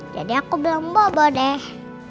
jadi aku bilang bobo deh